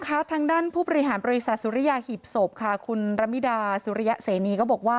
คุณผู้โบราณบริษัทสุริยาหิบศพคุณละมิดาสุริยะเซนี